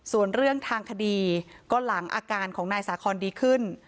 ส่วนเรื่องทางคดีก็หลังอาการของนายสาคอนดีขึ้น